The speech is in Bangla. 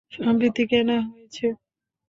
সম্প্রতি কেনা হয়েছে।